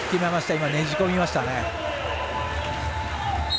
今ねじ込みましたね。